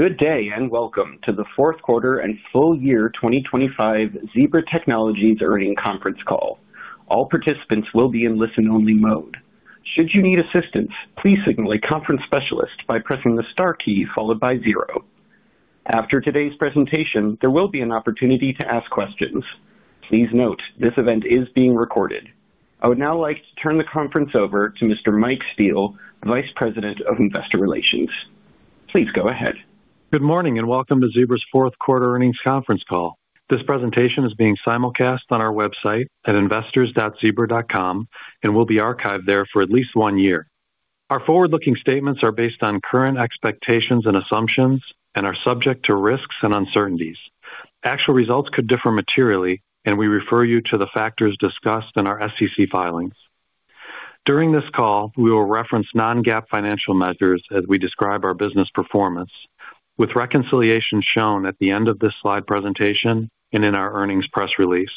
Good day, and welcome to the fourth quarter and full year 2025 Zebra Technologies Earnings Conference Call. All participants will be in listen-only mode. Should you need assistance, please signal a conference specialist by pressing the star key followed by zero. After today's presentation, there will be an opportunity to ask questions. Please note, this event is being recorded. I would now like to turn the conference over to Mr. Mike Steele, Vice President of Investor Relations. Please go ahead. Good morning, and welcome to Zebra's fourth quarter earnings conference call. This presentation is being simulcast on our website at investors.zebra.com and will be archived there for at least one year. Our forward-looking statements are based on current expectations and assumptions and are subject to risks and uncertainties. Actual results could differ materially, and we refer you to the factors discussed in our SEC filings. During this call, we will reference non-GAAP financial measures as we describe our business performance, with reconciliation shown at the end of this slide presentation and in our earnings press release.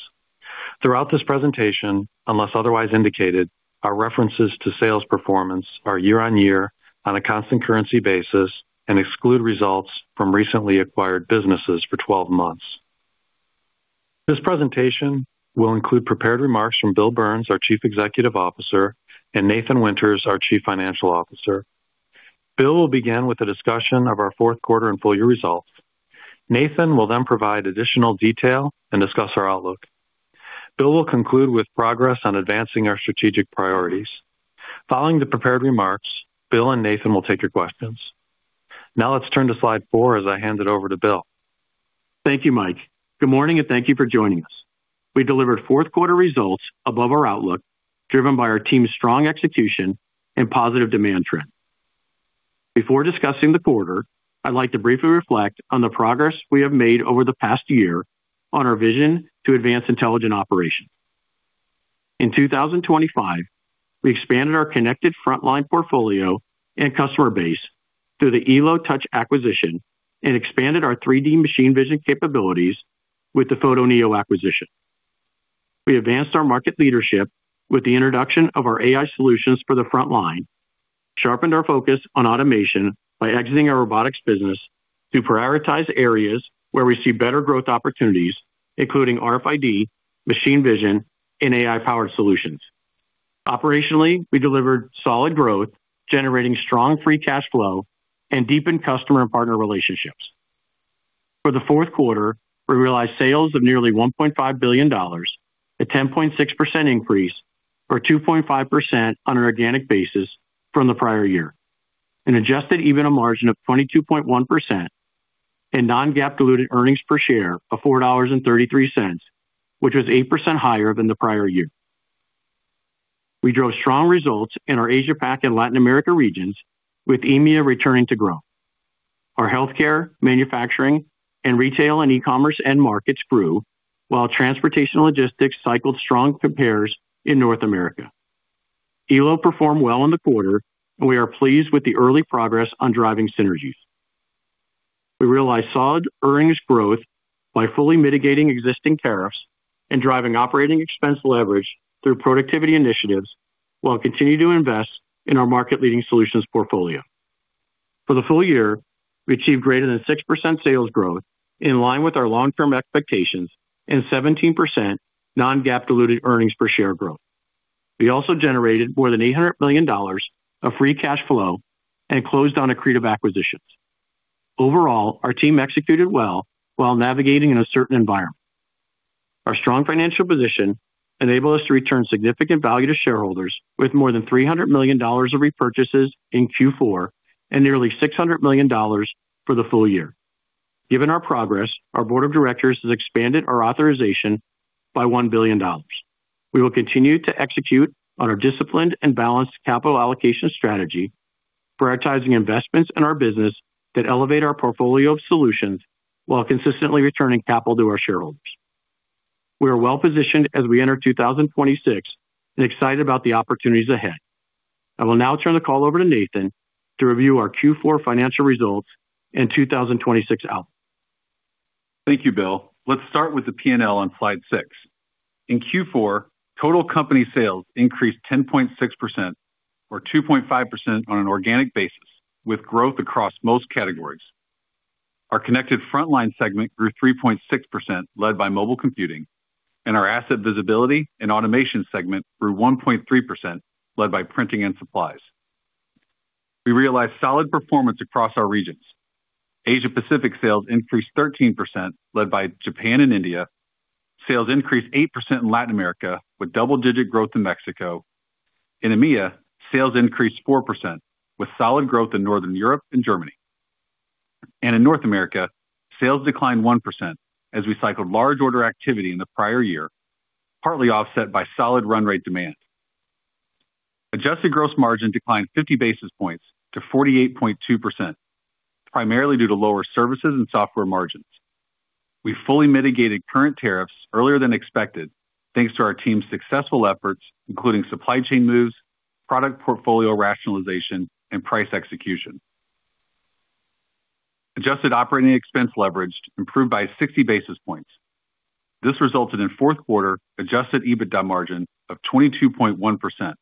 Throughout this presentation, unless otherwise indicated, our references to sales performance are year-over-year on a constant currency basis and exclude results from recently acquired businesses for 12 months. This presentation will include prepared remarks from Bill Burns, our Chief Executive Officer, and Nathan Winters, our Chief Financial Officer. Bill will begin with a discussion of our fourth quarter and full year results. Nathan will then provide additional detail and discuss our outlook. Bill will conclude with progress on advancing our strategic priorities. Following the prepared remarks, Bill and Nathan will take your questions. Now, let's turn to slide 4 as I hand it over to Bill. Thank you, Mike. Good morning, and thank you for joining us. We delivered fourth quarter results above our outlook, driven by our team's strong execution and positive demand trend. Before discussing the quarter, I'd like to briefly reflect on the progress we have made over the past year on our vision to advance intelligent operation. In 2025, we expanded our connected frontline portfolio and customer base through the Elo Touch acquisition and expanded our 3D machine vision capabilities with the Photoneo acquisition. We advanced our market leadership with the introduction of our AI solutions for the frontline, sharpened our focus on automation by exiting our robotics business to prioritize areas where we see better growth opportunities, including RFID, machine vision, and AI-powered solutions. Operationally, we delivered solid growth, generating strong free cash flow and deepened customer and partner relationships. For the fourth quarter, we realized sales of nearly $1.5 billion, a 10.6% increase, or 2.5% on an organic basis from the prior year. An Adjusted EBITDA margin of 22.1% and non-GAAP diluted earnings per share of $4.33, which was 8% higher than the prior year. We drove strong results in our Asia-Pacific and Latin America regions, with EMEA returning to growth. Our healthcare, manufacturing, and retail and e-commerce end markets grew, while transportation and logistics cycled strong compares in North America. Elo performed well in the quarter, and we are pleased with the early progress on driving synergies. We realized solid earnings growth by fully mitigating existing tariffs and driving operating expense leverage through productivity initiatives, while continuing to invest in our market-leading solutions portfolio. For the full year, we achieved greater than 6% sales growth, in line with our long-term expectations, and 17% non-GAAP diluted earnings per share growth. We also generated more than $800 million of free cash flow and closed on accretive acquisitions. Overall, our team executed well while navigating an uncertain environment. Our strong financial position enabled us to return significant value to shareholders with more than $300 million of repurchases in Q4 and nearly $600 million for the full year. Given our progress, our board of directors has expanded our authorization by $1 billion. We will continue to execute on our disciplined and balanced capital allocation strategy, prioritizing investments in our business that elevate our portfolio of solutions while consistently returning capital to our shareholders. We are well positioned as we enter 2026 and excited about the opportunities ahead. I will now turn the call over to Nathan to review our Q4 financial results and 2026 outlook. Thank you, Bill. Let's start with the PNL on slide 6. In Q4, total company sales increased 10.6%, or 2.5% on an organic basis, with growth across most categories. Our connected frontline segment grew 3.6%, led by mobile computing, and our asset visibility and automation segment grew 1.3%, led by printing and supplies. We realized solid performance across our regions. Asia Pacific sales increased 13%, led by Japan and India. Sales increased 8% in Latin America, with double-digit growth in Mexico. In EMEA, sales increased 4%, with solid growth in Northern Europe and Germany. In North America, sales declined 1% as we cycled large order activity in the prior year, partly offset by solid run rate demand. Adjusted gross margin declined 50 basis points to 48.2%, primarily due to lower services and software margins. We fully mitigated current tariffs earlier than expected, thanks to our team's successful efforts, including supply chain moves, product portfolio rationalization, and price execution. Adjusted operating expense leverage improved by 60 basis points. This resulted in fourth quarter adjusted EBITDA margin of 22.1%....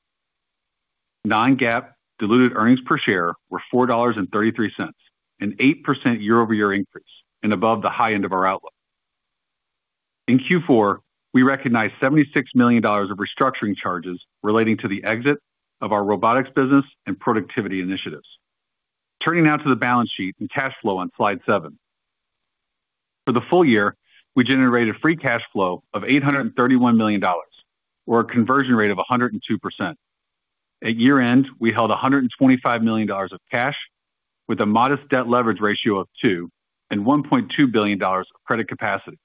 Non-GAAP diluted earnings per share were $4.33, an 8% year-over-year increase, and above the high end of our outlook. In Q4, we recognized $76 million of restructuring charges relating to the exit of our robotics business and productivity initiatives. Turning now to the balance sheet and cash flow on slide 7. For the full year, we generated free cash flow of $831 million, or a conversion rate of 102%. At year-end, we held $125 million of cash, with a modest debt leverage ratio of 2 and $1.2 billion of credit capacity.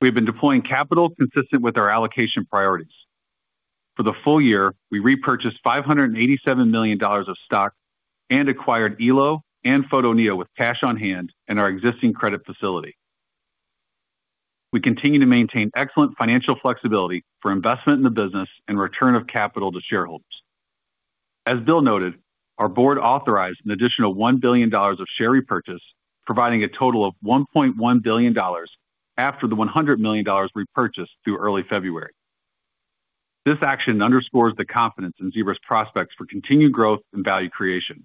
We've been deploying capital consistent with our allocation priorities. For the full year, we repurchased $587 million of stock and acquired Elo and Photoneo with cash on hand and our existing credit facility. We continue to maintain excellent financial flexibility for investment in the business and return of capital to shareholders. As Bill noted, our board authorized an additional $1 billion of share repurchase, providing a total of $1.1 billion after the $100 million repurchased through early February. This action underscores the confidence in Zebra's prospects for continued growth and value creation.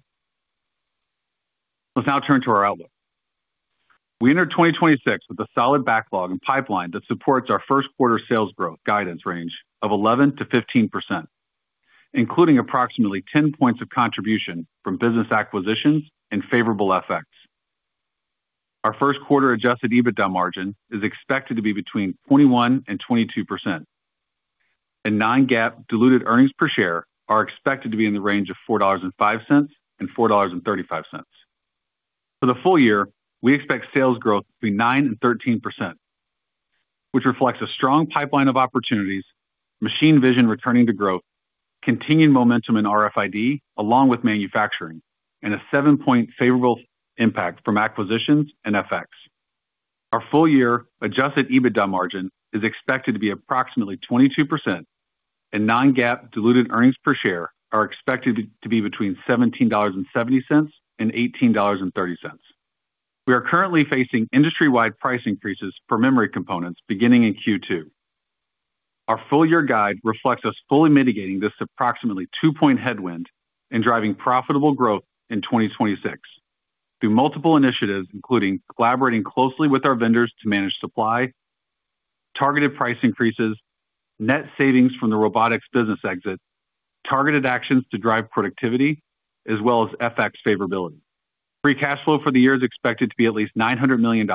Let's now turn to our outlook. We entered 2026 with a solid backlog and pipeline that supports our first quarter sales growth guidance range of 11%-15%, including approximately 10 points of contribution from business acquisitions and favorable FX. Our first quarter Adjusted EBITDA margin is expected to be between 21%-22%. Non-GAAP diluted earnings per share are expected to be in the range of $4.05-$4.35. For the full year, we expect sales growth to be 9%-13%, which reflects a strong pipeline of opportunities, Machine Vision returning to growth, continued momentum in RFID, along with manufacturing, and a 7-point favorable impact from acquisitions and FX. Our full year Adjusted EBITDA margin is expected to be approximately 22%, and non-GAAP diluted earnings per share are expected to be between $17.70 and $18.30. We are currently facing industry-wide price increases for memory components beginning in Q2. Our full year guide reflects us fully mitigating this approximately 2-point headwind and driving profitable growth in 2026 through multiple initiatives, including collaborating closely with our vendors to manage supply, targeted price increases, net savings from the robotics business exit, targeted actions to drive productivity, as well as FX favorability. Free cash flow for the year is expected to be at least $900 million,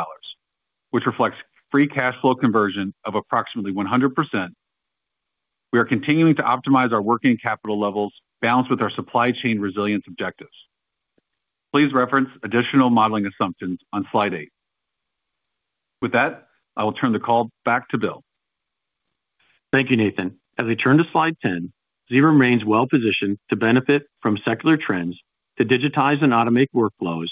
which reflects free cash flow conversion of approximately 100%. We are continuing to optimize our working capital levels, balanced with our supply chain resilience objectives. Please reference additional modeling assumptions on slide 8. With that, I will turn the call back to Bill. Thank you, Nathan. As I turn to slide 10, Zebra remains well positioned to benefit from secular trends to digitize and automate workflows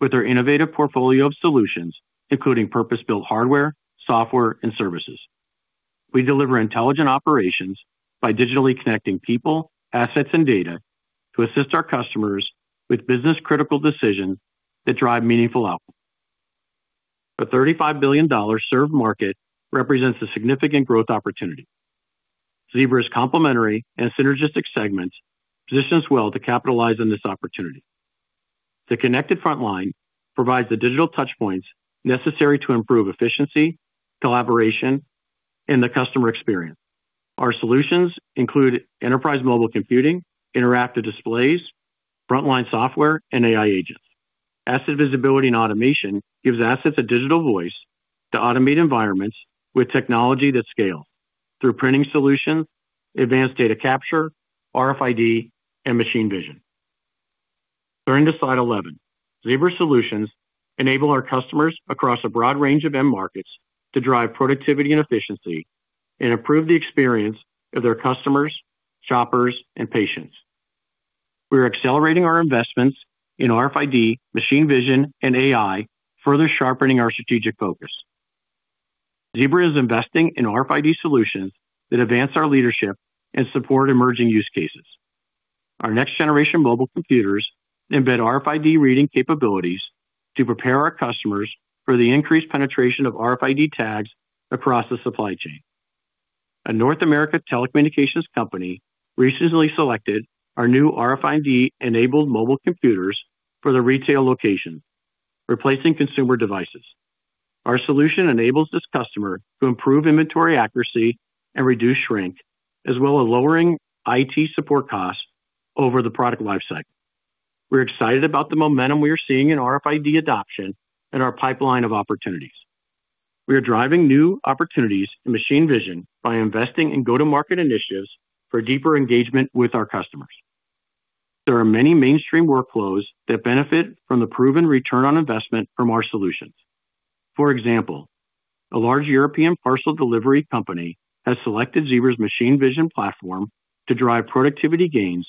with our innovative portfolio of solutions, including purpose-built hardware, software, and services. We deliver intelligent operations by digitally connecting people, assets, and data to assist our customers with business-critical decisions that drive meaningful outcomes. A $35 billion served market represents a significant growth opportunity. Zebra's complementary and synergistic segments positions well to capitalize on this opportunity. The connected frontline provides the digital touchpoints necessary to improve efficiency, collaboration, and the customer experience. Our solutions include enterprise mobile computing, interactive displays, frontline software, and AI agents. Asset visibility and automation gives assets a digital voice to automate environments with technology that scale through printing solutions, advanced data capture, RFID, and machine vision. Turning to slide 11. Zebra solutions enable our customers across a broad range of end markets to drive productivity and efficiency and improve the experience of their customers, shoppers, and patients. We are accelerating our investments in RFID, machine vision, and AI, further sharpening our strategic focus. Zebra is investing in RFID solutions that advance our leadership and support emerging use cases. Our next generation mobile computers embed RFID reading capabilities to prepare our customers for the increased penetration of RFID tags across the supply chain. A North American telecommunications company recently selected our new RFID-enabled mobile computers for their retail location, replacing consumer devices. Our solution enables this customer to improve inventory accuracy and reduce shrink, as well as lowering IT support costs over the product lifecycle. We're excited about the momentum we are seeing in RFID adoption and our pipeline of opportunities. We are driving new opportunities in machine vision by investing in go-to-market initiatives for deeper engagement with our customers. There are many mainstream workflows that benefit from the proven return on investment from our solutions. For example, a large European parcel delivery company has selected Zebra's machine vision platform to drive productivity gains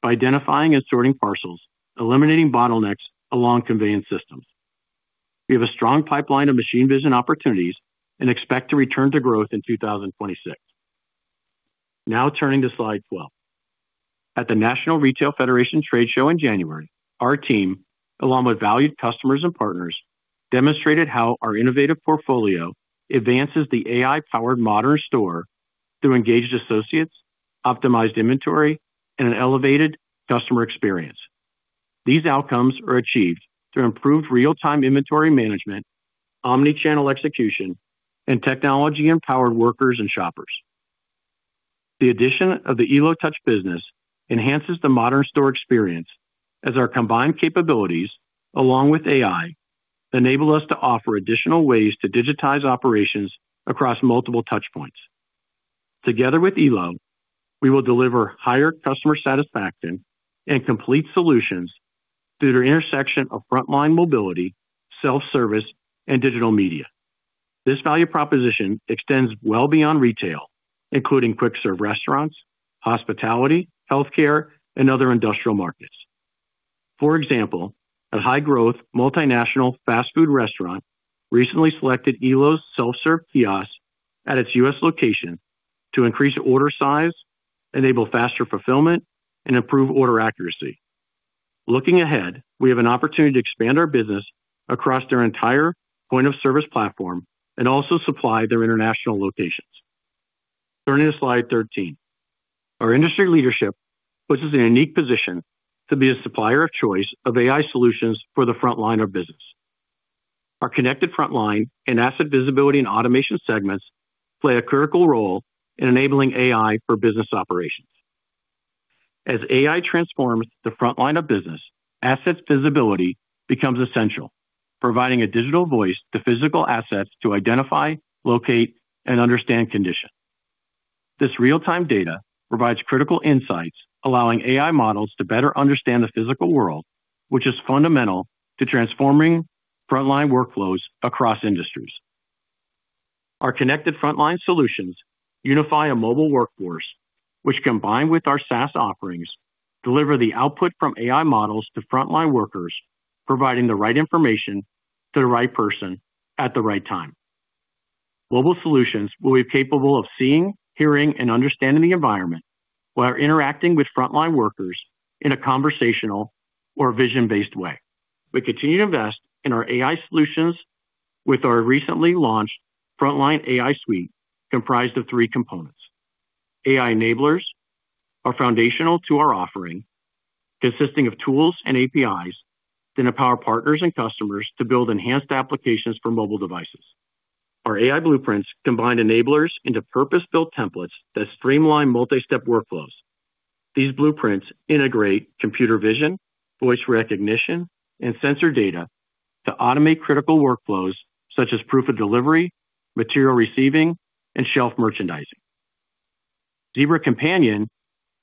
by identifying and sorting parcels, eliminating bottlenecks along conveyance systems. We have a strong pipeline of machine vision opportunities and expect to return to growth in 2026. Now turning to slide 12. At the National Retail Federation trade show in January, our team, along with valued customers and partners,... demonstrated how our innovative portfolio advances the AI-powered modern store through engaged associates, optimized inventory, and an elevated customer experience. These outcomes are achieved through improved real-time inventory management, omni-channel execution, and technology-empowered workers and shoppers. The addition of the Elo Touch business enhances the modern store experience, as our combined capabilities, along with AI, enable us to offer additional ways to digitize operations across multiple touchpoints. Together with Elo, we will deliver higher customer satisfaction and complete solutions through the intersection of frontline mobility, self-service, and digital media. This value proposition extends well beyond retail, including quick-serve restaurants, hospitality, healthcare, and other industrial markets. For example, a high-growth, multinational fast food restaurant recently selected Elo's self-serve kiosk at its U.S. location to increase order size, enable faster fulfillment, and improve order accuracy. Looking ahead, we have an opportunity to expand our business across their entire point-of-service platform and also supply their international locations. Turning to slide 13. Our industry leadership puts us in a unique position to be a supplier of choice of AI solutions for the frontline of business. Our Connected Frontline and Asset Visibility and Automation segments play a critical role in enabling AI for business operations. As AI transforms the frontline of business, asset visibility becomes essential, providing a digital voice to physical assets to identify, locate, and understand condition. This real-time data provides critical insights, allowing AI models to better understand the physical world, which is fundamental to transforming frontline workflows across industries. Our Connected Frontline solutions unify a mobile workforce, which, combined with our SaaS offerings, deliver the output from AI models to frontline workers, providing the right information to the right person at the right time. Mobile solutions will be capable of seeing, hearing, and understanding the environment while interacting with frontline workers in a conversational or vision-based way. We continue to invest in our AI solutions with our recently launched Frontline AI Suite, comprised of three components. AI enablers are foundational to our offering, consisting of tools and APIs that empower partners and customers to build enhanced applications for mobile devices. Our AI blueprints combine enablers into purpose-built templates that streamline multi-step workflows. These blueprints integrate computer vision, voice recognition, and sensor data to automate critical workflows such as proof of delivery, material receiving, and shelf merchandising. Zebra Companion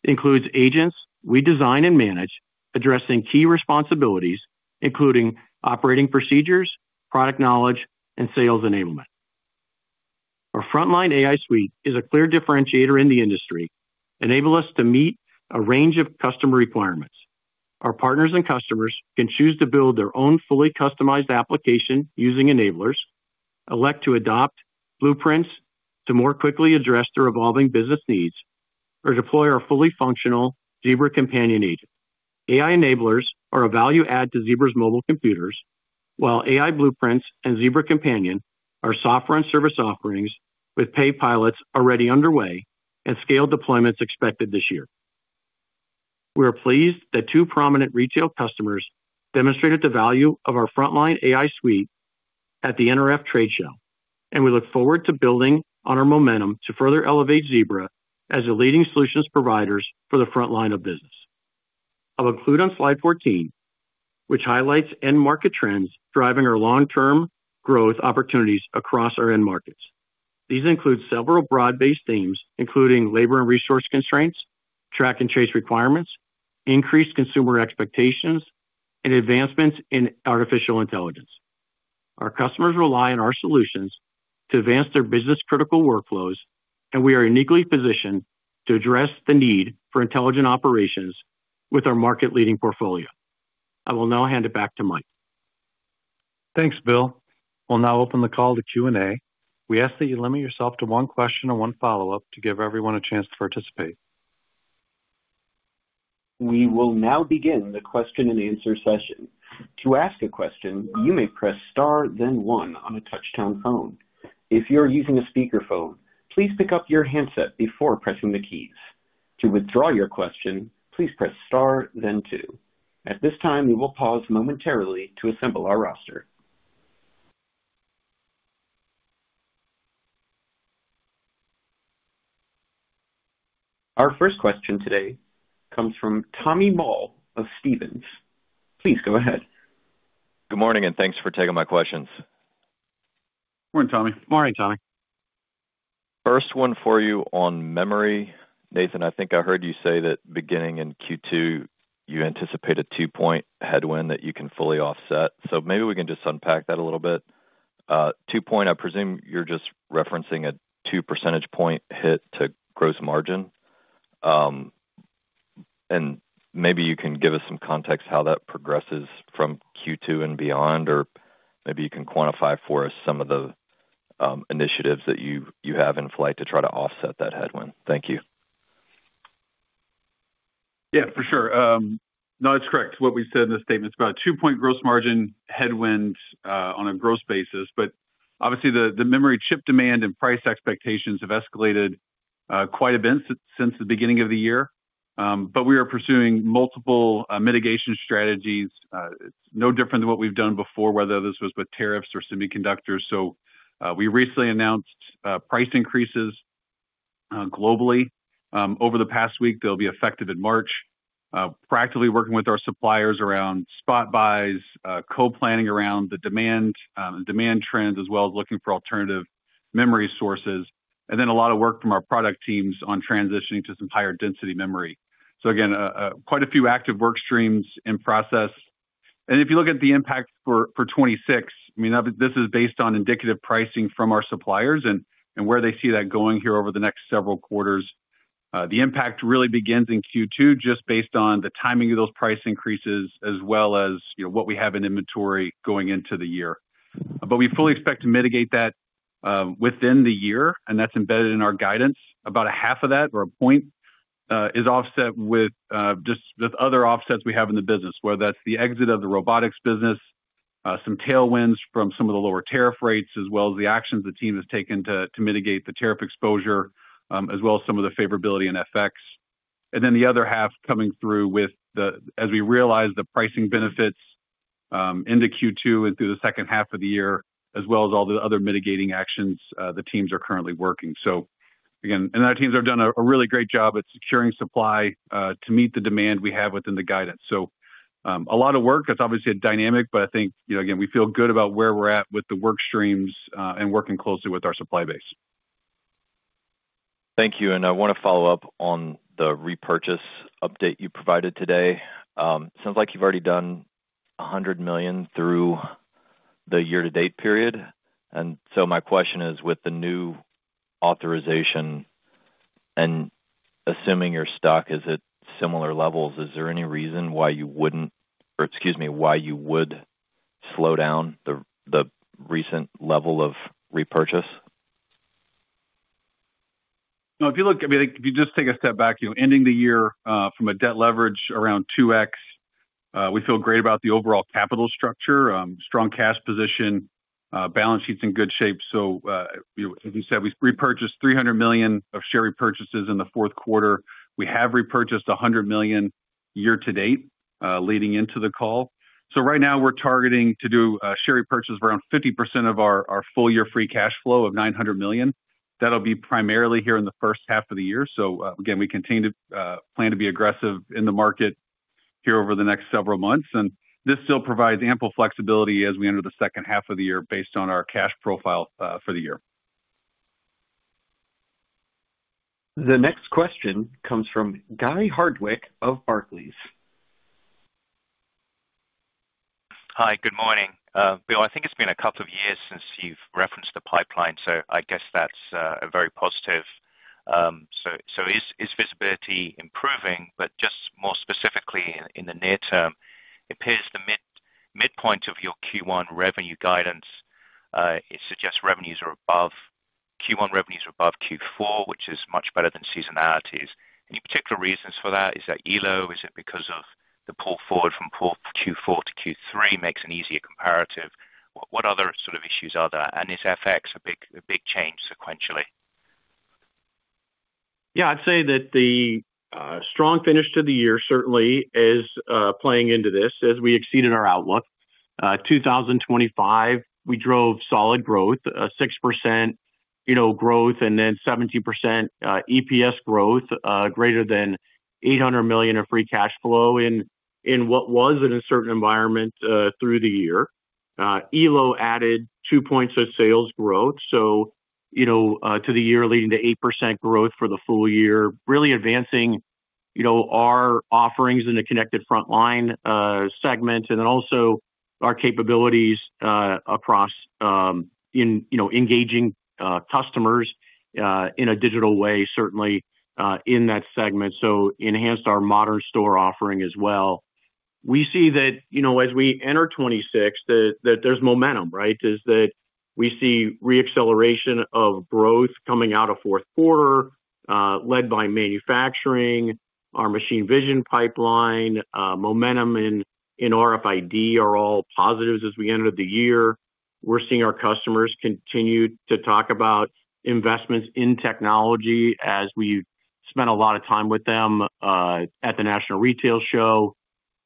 includes agents we design and manage, addressing key responsibilities, including operating procedures, product knowledge, and sales enablement. Our Frontline AI Suite is a clear differentiator in the industry, enable us to meet a range of customer requirements. Our partners and customers can choose to build their own fully customized application using enablers, elect to adopt blueprints to more quickly address their evolving business needs, or deploy our fully functional Zebra Companion agent. AI enablers are a value add to Zebra's mobile computers, while AI blueprints and Zebra Companion are software and service offerings with paid pilots already underway and scaled deployments expected this year. We are pleased that two prominent retail customers demonstrated the value of our Frontline AI Suite at the NRF trade show, and we look forward to building on our momentum to further elevate Zebra as the leading solutions providers for the frontline of business. I'll conclude on slide 14, which highlights end market trends driving our long-term growth opportunities across our end markets. These include several broad-based themes, including labor and resource constraints, track and trace requirements, increased consumer expectations, and advancements in artificial intelligence. Our customers rely on our solutions to advance their business-critical workflows, and we are uniquely positioned to address the need for intelligent operations with our market-leading portfolio. I will now hand it back to Mike. Thanks, Bill. We'll now open the call to Q&A. We ask that you limit yourself to one question or one follow-up to give everyone a chance to participate. We will now begin the question and answer session. To ask a question, you may press star then one on a touchtone phone. If you're using a speakerphone, please pick up your handset before pressing the keys. To withdraw your question, please press star then two. At this time, we will pause momentarily to assemble our roster. Our first question today comes from Tommy Moll of Stephens. Please go ahead. Good morning, and thanks for taking my questions. Morning, Tommy. Morning, Tommy. First one for you on memory. Nathan, I think I heard you say that beginning in Q2, you anticipate a 2-point headwind that you can fully offset. So maybe we can just unpack that a little bit. Two point, I presume you're just referencing a 2 percentage point hit to gross margin? And maybe you can give us some context how that progresses from Q2 and beyond, or maybe you can quantify for us some of the initiatives that you have in flight to try to offset that headwind. Thank you.... Yeah, for sure. No, that's correct. What we said in the statement, it's about a 2-point gross margin headwind, on a gross basis. But obviously, the memory chip demand and price expectations have escalated quite a bit since the beginning of the year. But we are pursuing multiple mitigation strategies. It's no different than what we've done before, whether this was with tariffs or semiconductors. So, we recently announced price increases globally over the past week. They'll be effective in March. Practically working with our suppliers around spot buys, co-planning around the demand trends, as well as looking for alternative memory sources, and then a lot of work from our product teams on transitioning to some higher density memory. So again, quite a few active work streams in process. And if you look at the impact for 2026, I mean, this is based on indicative pricing from our suppliers and where they see that going here over the next several quarters. The impact really begins in Q2, just based on the timing of those price increases, as well as, you know, what we have in inventory going into the year. But we fully expect to mitigate that within the year, and that's embedded in our guidance. About a half of that, or a point, is offset with just with other offsets we have in the business, whether that's the exit of the robotics business, some tailwinds from some of the lower tariff rates, as well as the actions the team has taken to mitigate the tariff exposure, as well as some of the favorability and effects. And then the other half coming through with the, as we realize, the pricing benefits into Q2 and through the second half of the year, as well as all the other mitigating actions the teams are currently working. So again. And our teams have done a really great job at securing supply to meet the demand we have within the guidance. So, a lot of work. That's obviously a dynamic, but I think, you know, again, we feel good about where we're at with the work streams, and working closely with our supply base. Thank you, and I want to follow up on the repurchase update you provided today. Sounds like you've already done $100 million through the year-to-date period. And so my question is, with the new authorization, and assuming your stock is at similar levels, is there any reason why you wouldn't, or excuse me, why you would slow down the recent level of repurchase? No, if you look, I mean, if you just take a step back, you know, ending the year, from a debt leverage around 2x, we feel great about the overall capital structure, strong cash position, balance sheet's in good shape. So, you know, as we said, we've repurchased $300 million of share repurchases in the fourth quarter. We have repurchased $100 million year to date, leading into the call. So right now we're targeting to do, share repurchase around 50% of our full year free cash flow of $900 million. That'll be primarily here in the first half of the year. So, again, we continue to plan to be aggressive in the market here over the next several months, and this still provides ample flexibility as we enter the second half of the year based on our cash profile, for the year. The next question comes from Guy Hardwick of Barclays. Hi, good morning. Bill, I think it's been a couple of years since you've referenced the pipeline, so I guess that's a very positive. So, is visibility improving? But just more specifically, in the near term, it appears the midpoint of your Q1 revenue guidance suggests Q1 revenues are above Q4, which is much better than seasonalities. Any particular reasons for that? Is that Elo? Is it because of the pull forward from Q4 to Q3 makes an easier comparative? What other sort of issues are there, and is FX a big change sequentially? Yeah, I'd say that the strong finish to the year certainly is playing into this as we exceeded our outlook. 2025, we drove solid growth, 6%, you know, growth and then 17% EPS growth, greater than $800 million of free cash flow in what was an uncertain environment through the year. Elo added 2 points of sales growth, so you know, to the year, leading to 8% growth for the full year. Really advancing, you know, our offerings in the Connected Frontline segment, and then also our capabilities across in, you know, engaging customers in a digital way, certainly in that segment. So enhanced our modern store offering as well. We see that, you know, as we enter 2026, that there's momentum, right? It's that we see reacceleration of growth coming out of fourth quarter, led by manufacturing, our machine vision pipeline, momentum in, in RFID are all positives as we ended the year. We're seeing our customers continue to talk about investments in technology as we've spent a lot of time with them, at the National Retail Show.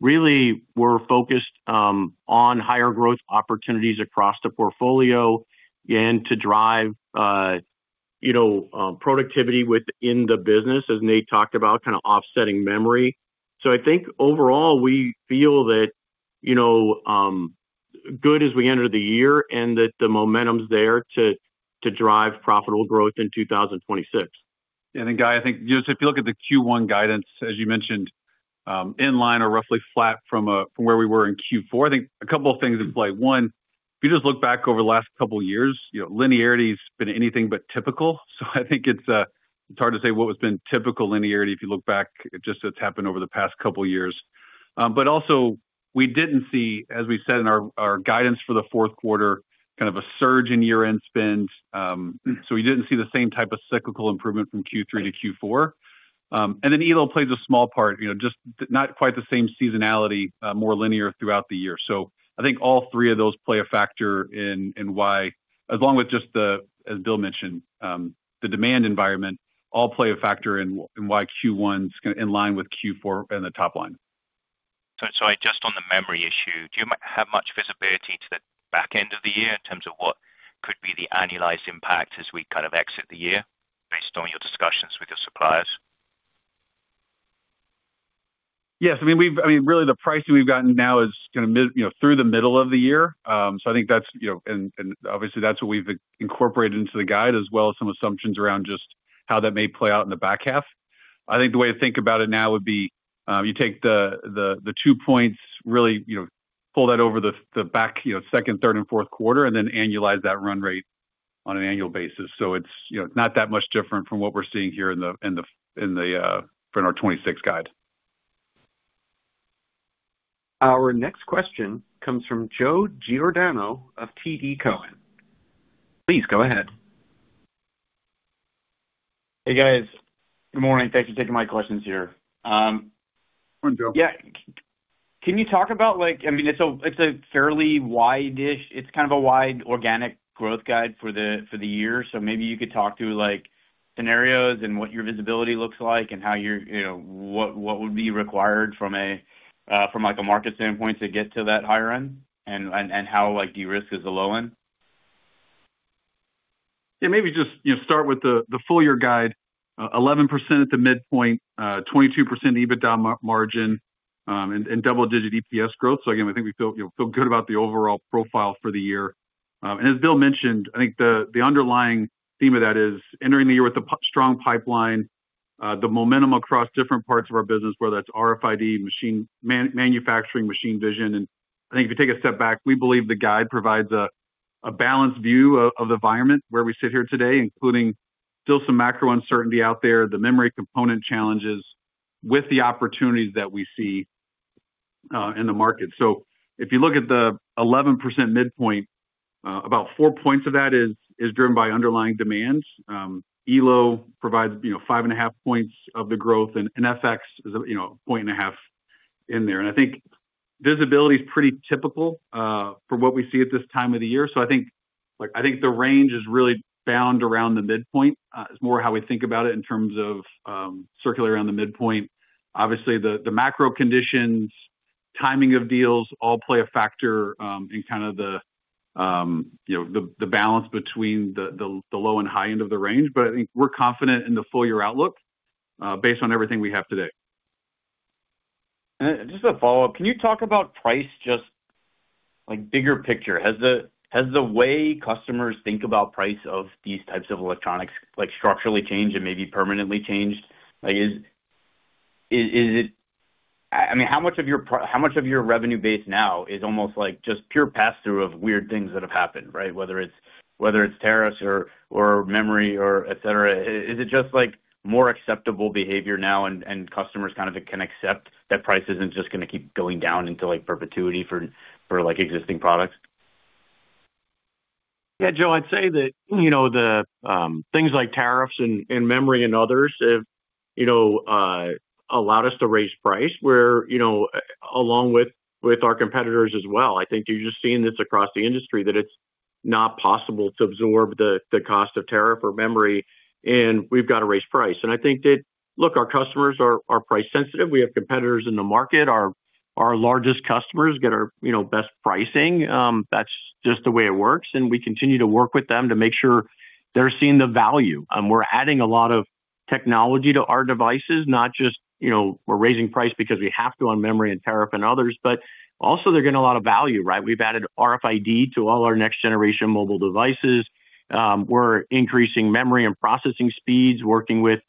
Really, we're focused, on higher growth opportunities across the portfolio and to drive, you know, productivity within the business, as Nate talked about, kind of offsetting memory. So I think overall, we feel that, you know, good as we enter the year and that the momentum's there to, to drive profitable growth in 2026. Then, Guy, I think just if you look at the Q1 guidance, as you mentioned, in line or roughly flat from, from where we were in Q4, I think a couple of things in play. One, if you just look back over the last couple of years, you know, linearity has been anything but typical. So I think it's, it's hard to say what has been typical linearity if you look back just as happened over the past couple of years. But also we didn't see, as we said in our, our guidance for the fourth quarter, kind of a surge in year-end spends. So we didn't see the same type of cyclical improvement from Q3 to Q4. And then Elo plays a small part, you know, just not quite the same seasonality, more linear throughout the year. So I think all three of those play a factor in why, along with just the demand environment, as Bill mentioned, all play a factor in why Q1's in line with Q4 in the top line. So sorry, just on the memory issue, do you have much visibility to the back end of the year in terms of what could be the annualized impact as we kind of exit the year, based on your discussions with your suppliers? Yes, I mean, really, the pricing we've gotten now is, you know, mid, you know, through the middle of the year. So I think that's, you know, and obviously that's what we've incorporated into the guide, as well as some assumptions around just how that may play out in the back half. I think the way to think about it now would be, you take the two points really, you know, pull that over the back, you know, second, third, and fourth quarter, and then annualize that run rate on an annual basis. So it's, you know, not that much different from what we're seeing here in the for our 2026 guide. Our next question comes from Joe Giordano of TD Cowen. Please go ahead. Hey, guys. Good morning. Thanks for taking my questions here. Morning, Joe. Yeah. Can you talk about, like, I mean, it's a, it's a fairly wide-ish... It's kind of a wide organic growth guide for the, for the year. So maybe you could talk through, like, scenarios and what your visibility looks like and how you're, you know, what, what would be required from a, from, like, a market standpoint to get to that higher end, and, and, and how, like, you risk as the low end? Yeah, maybe just, you know, start with the full year guide, 11% at the midpoint, 22% EBITDA margin, and double-digit EPS growth. So again, I think we feel, you know, feel good about the overall profile for the year. And as Bill mentioned, I think the underlying theme of that is entering the year with a strong pipeline, the momentum across different parts of our business, whether that's RFID, manufacturing, Machine Vision. And I think if you take a step back, we believe the guide provides a balanced view of the environment where we sit here today, including still some macro uncertainty out there, the memory component challenges, with the opportunities that we see in the market. So if you look at the 11% midpoint, about 4 points of that is driven by underlying demands. Elo provides, you know, 5.5 points of the growth, and FX is, you know, 1.5 points in there. And I think visibility is pretty typical from what we see at this time of the year. So I think, like, the range is really bound around the midpoint, is more how we think about it in terms of circling around the midpoint. Obviously, the macro conditions, timing of deals, all play a factor in kind of the you know, the balance between the low and high end of the range. But I think we're confident in the full year outlook based on everything we have today. Just a follow-up. Can you talk about price, just, like, bigger picture? Has the way customers think about price of these types of electronics, like, structurally changed and maybe permanently changed? Like, is it- I mean, how much of your revenue base now is almost, like, just pure pass-through of weird things that have happened, right? Whether it's tariffs or memory or et cetera. Is it just, like, more acceptable behavior now and customers kind of can accept that price isn't just gonna keep going down into, like, perpetuity for existing products? Yeah, Joe, I'd say that, you know, the things like tariffs and memory and others have, you know, allowed us to raise price, where, you know, along with our competitors as well. I think you're just seeing this across the industry, that it's not possible to absorb the cost of tariff or memory, and we've got to raise price. And I think that, look, our customers are price sensitive. We have competitors in the market. Our largest customers get our, you know, best pricing. That's just the way it works, and we continue to work with them to make sure they're seeing the value. We're adding a lot of technology to our devices, not just, you know, we're raising price because we have to on memory and tariff and others, but also they're getting a lot of value, right? We've added RFID to all our next-generation mobile devices. We're increasing memory and processing speeds, working with,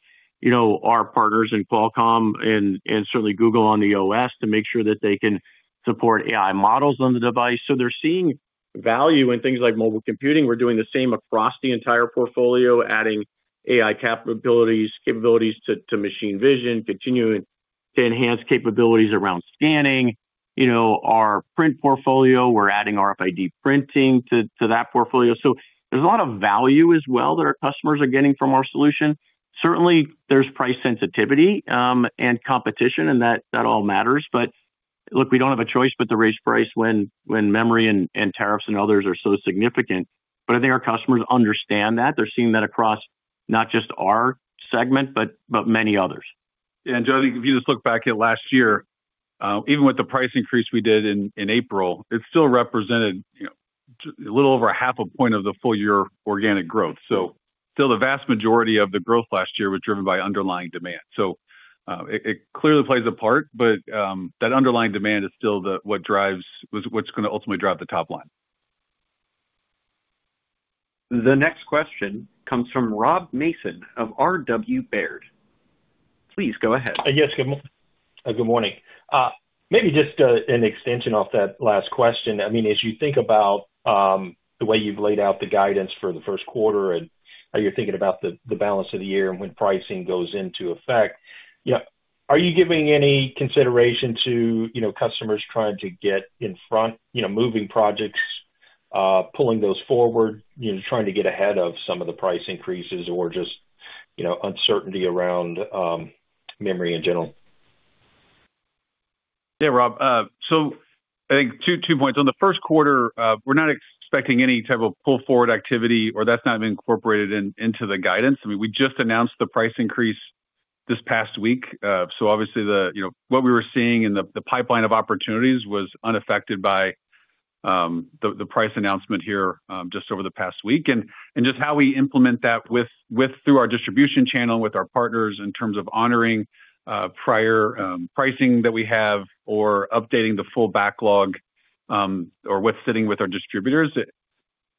you know, our partners in Qualcomm and certainly Google on the OS to make sure that they can support AI models on the device. So they're seeing value in things like mobile computing. We're doing the same across the entire portfolio, adding AI capabilities to machine vision, continuing to enhance capabilities around scanning. You know, our print portfolio, we're adding RFID printing to that portfolio. So there's a lot of value as well that our customers are getting from our solution. Certainly, there's price sensitivity and competition, and that all matters. But look, we don't have a choice but to raise price when memory and tariffs and others are so significant. But I think our customers understand that. They're seeing that across not just our segment, but many others. Joe, I think if you just look back at last year, even with the price increase we did in April, it still represented, you know, a little over half a point of the full year organic growth. So still the vast majority of the growth last year was driven by underlying demand. So, it clearly plays a part, but that underlying demand is still what drives... what's gonna ultimately drive the top line. The next question comes from Rob Mason of RW Baird. Please go ahead. Yes, good morning. Maybe just an extension off that last question. I mean, as you think about the way you've laid out the guidance for the first quarter and how you're thinking about the, the balance of the year and when pricing goes into effect. Yeah, are you giving any consideration to, you know, customers trying to get in front, you know, moving projects, pulling those forward, you know, trying to get ahead of some of the price increases or just, you know, uncertainty around, memory in general? Yeah, Rob, so I think two, two points. On the first quarter, we're not expecting any type of pull-forward activity, or that's not been incorporated into the guidance. I mean, we just announced the price increase this past week. So obviously, you know, what we were seeing in the pipeline of opportunities was unaffected by the price announcement here, just over the past week. And just how we implement that through our distribution channel, with our partners, in terms of honoring prior pricing that we have or updating the full backlog, or what's sitting with our distributors.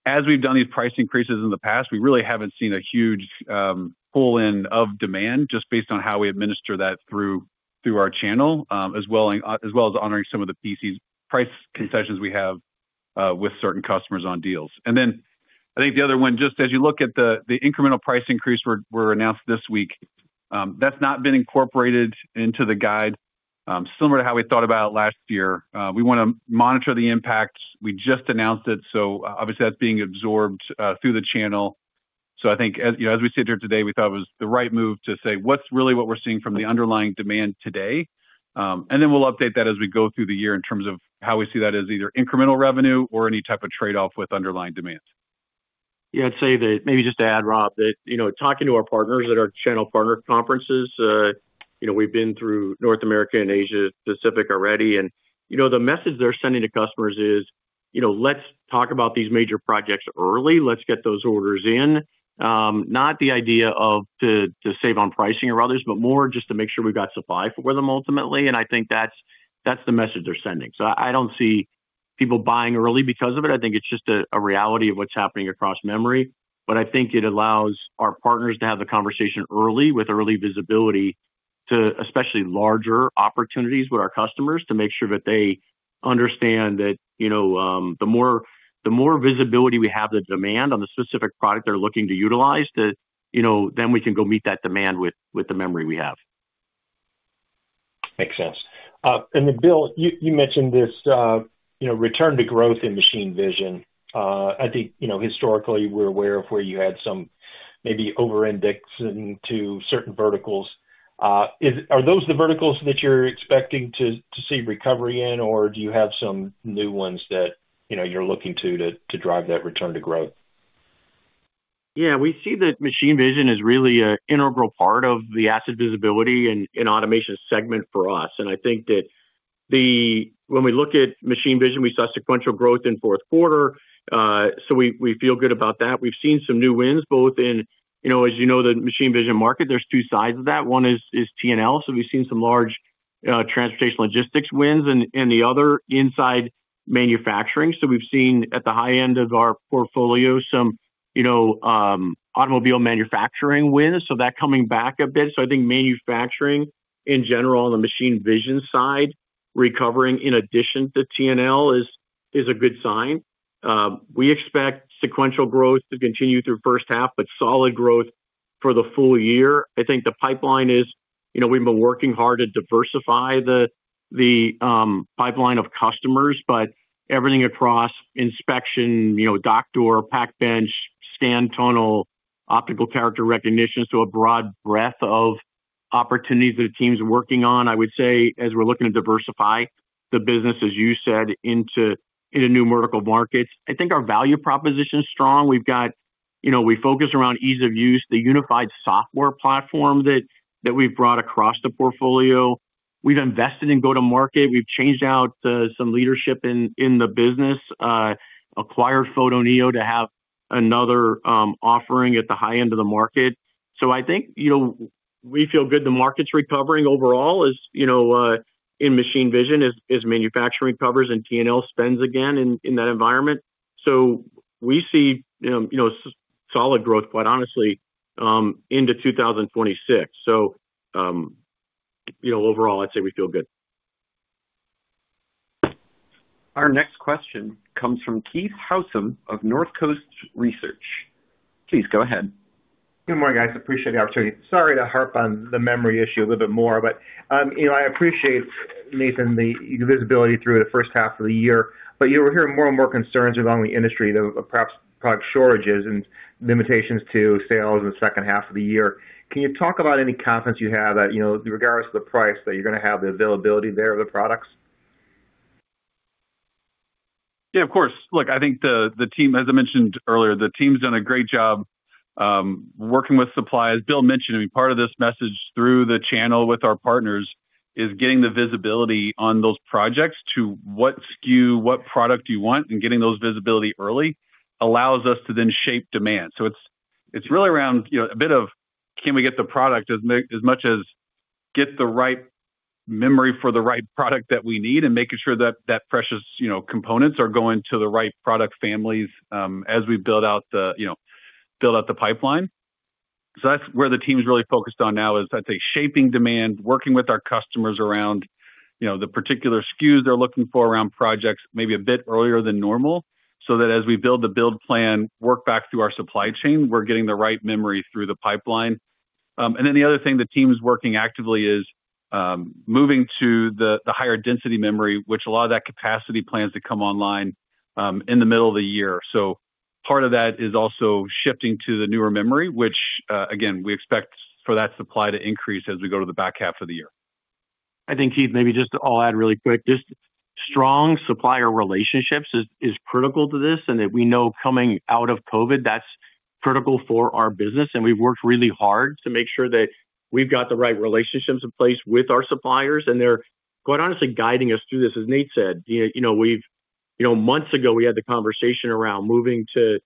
As we've done these price increases in the past, we really haven't seen a huge pull-in of demand, just based on how we administer that through our channel, as well as honoring some of the PC's price concessions we have with certain customers on deals. And then I think the other one, just as you look at the incremental price increase were announced this week, that's not been incorporated into the guide. Similar to how we thought about it last year, we want to monitor the impact. We just announced it, so obviously that's being absorbed through the channel. I think as, you know, as we sit here today, we thought it was the right move to say, "What's really what we're seeing from the underlying demand today?" and then we'll update that as we go through the year in terms of how we see that as either incremental revenue or any type of trade-off with underlying demands. Yeah, I'd say that, maybe just to add, Rob, that, you know, talking to our partners at our channel partner conferences, you know, we've been through North America and Asia Pacific already, and you know, the message they're sending to customers is, you know, "Let's talk about these major projects early. Let's get those orders in." Not the idea to save on pricing or others, but more just to make sure we've got supply for them ultimately, and I think that's the message they're sending. So I don't see people buying early because of it. I think it's just a reality of what's happening across memory. But I think it allows our partners to have the conversation early, with early visibility to especially larger opportunities with our customers, to make sure that they understand that, you know, the more visibility we have the demand on the specific product they're looking to utilize, that, you know, then we can go meet that demand with the memory we have. Makes sense. And then, Bill, you mentioned this, you know, return to growth in machine vision. I think, you know, historically, we're aware of where you had some maybe over-indexing to certain verticals. Are those the verticals that you're expecting to see recovery in, or do you have some new ones that, you know, you're looking to drive that return to growth? Yeah, we see that machine vision is really an integral part of the asset visibility and in automation segment for us. I think that when we look at machine vision, we saw sequential growth in fourth quarter, so we feel good about that. We've seen some new wins, both in, you know, as you know, the machine vision market, there's two sides of that. One is T&L, so we've seen some large transportation logistics wins, and the other inside manufacturing. So we've seen at the high end of our portfolio some, you know, automobile manufacturing wins, so that coming back a bit. So I think manufacturing in general, on the machine vision side, recovering in addition to T&L is a good sign. We expect sequential growth to continue through first half, but solid growth for the full year. I think the pipeline is, you know, we've been working hard to diversify the pipeline of customers, but everything across inspection, you know, dock door, pack bench, scan tunnel, optical character recognition, so a broad breadth of opportunities that the team's working on. I would say, as we're looking to diversify the business, as you said, into new vertical markets, I think our value proposition is strong. We've got, you know, we focus around ease of use, the unified software platform that we've brought across the portfolio. We've invested in go-to-market. We've changed out some leadership in the business, acquired Photoneo to have another offering at the high end of the market. So I think, you know, we feel good. The market's recovering overall, as you know, in machine vision, as manufacturing recovers and T&L spends again in that environment. So we see, you know, solid growth, quite honestly, into 2026. So, you know, overall, I'd say we feel good. Our next question comes from Keith Housum of North Coast Research. Please go ahead. Good morning, guys. Appreciate the opportunity. Sorry to harp on the memory issue a little bit more, but, you know, I appreciate, Nathan, the visibility through the first half of the year, but you were hearing more and more concerns around the industry, the perhaps product shortages and limitations to sales in the second half of the year. Can you talk about any confidence you have that, you know, regardless of the price, that you're going to have the availability there of the products? Yeah, of course. Look, I think the team, as I mentioned earlier, the team's done a great job working with suppliers. Bill mentioned, I mean, part of this message through the channel with our partners is getting the visibility on those projects to what SKU, what product you want, and getting those visibility early allows us to then shape demand. So it's really around, you know, a bit of can we get the product as much as get the right memory for the right product that we need, and making sure that that precious, you know, components are going to the right product families as we build out the pipeline. So that's where the team is really focused on now, is I'd say, shaping demand, working with our customers around, you know, the particular SKUs they're looking for around projects, maybe a bit earlier than normal, so that as we build the build plan, work back through our supply chain, we're getting the right memory through the pipeline. And then the other thing the team is working actively is, moving to the higher density memory, which a lot of that capacity plans to come online, in the middle of the year. So part of that is also shifting to the newer memory, which, again, we expect for that supply to increase as we go to the back half of the year. I think, Keith, maybe just I'll add really quick, just strong supplier relationships is critical to this, and that we know coming out of COVID, that's critical for our business. And we've worked really hard to make sure that we've got the right relationships in place with our suppliers, and they're, quite honestly, guiding us through this. As Nate said, you know, we've you know, months ago, we had the conversation around moving to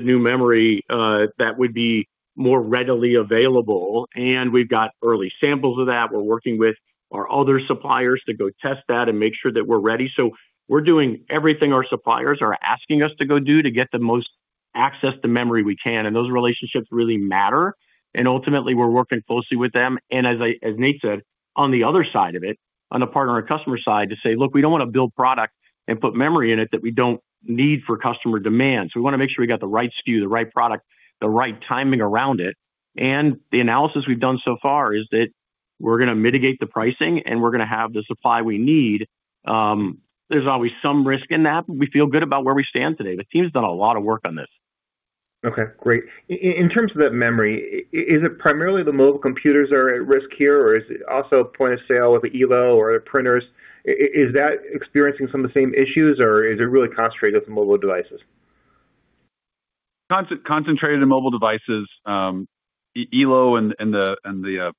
new memory that would be more readily available, and we've got early samples of that. We're working with our other suppliers to go test that and make sure that we're ready. So we're doing everything our suppliers are asking us to go do to get the most access to memory we can, and those relationships really matter. And ultimately, we're working closely with them. And as Nate said, on the other side of it, on the part of our customer side, to say: Look, we don't want to build product and put memory in it that we don't need for customer demand. So we wanna make sure we got the right SKU, the right product, the right timing around it. And the analysis we've done so far is that we're gonna mitigate the pricing, and we're gonna have the supply we need. There's always some risk in that, but we feel good about where we stand today. The team's done a lot of work on this. Okay, great. In terms of that memory, is it primarily the mobile computers are at risk here, or is it also point of sale with the Elo or the printers? Is that experiencing some of the same issues, or is it really concentrated on mobile devices? Concentrated in mobile devices, Elo and the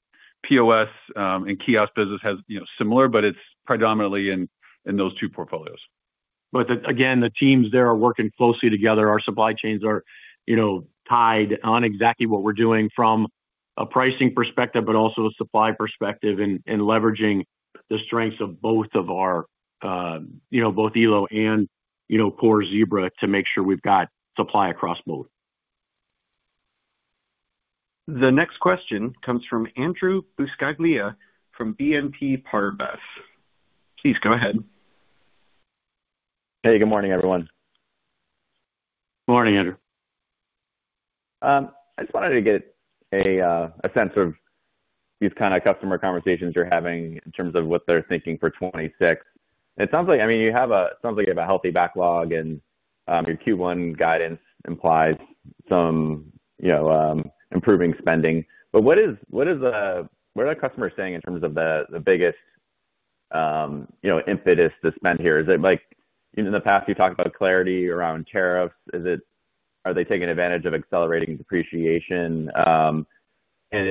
POS and kiosk business has, you know, similar, but it's predominantly in those two portfolios. But again, the teams there are working closely together. Our supply chains are, you know, tied on exactly what we're doing from a pricing perspective, but also a supply perspective and leveraging the strengths of both of our, you know, both Elo and, you know, core Zebra to make sure we've got supply across both. The next question comes from Andrew Buscaglia, from BNP Paribas. Please go ahead. Hey, good morning, everyone. Morning, Andrew. I just wanted to get a sense of these kind of customer conversations you're having in terms of what they're thinking for 2026. It sounds like... I mean, sounds like you have a healthy backlog, and your Q1 guidance implies some, you know, improving spending. But what are the customers saying in terms of the biggest, you know, impetus to spend here? Is it, like, in the past, you talked about clarity around tariffs. Are they taking advantage of accelerating depreciation? And